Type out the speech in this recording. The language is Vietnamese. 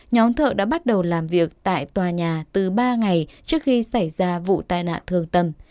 nhóm thợ đã bắt đầu làm việc tại tòa nhà từ ba ngày trước khi xảy ra vụ tai nạn thường tầm